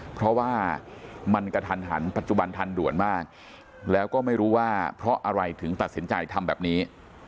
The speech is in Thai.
เพราะว่ามันกระทันหันปัจจุบันทันด่วนมากแล้วก็ไม่รู้ว่าเพราะอะไรถึงตัดสินใจทำแบบนี้